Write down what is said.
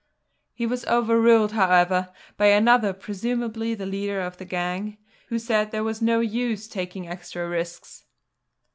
He was overruled, however, by another, presumably the leader of the gang, who said there was no use taking extra risks.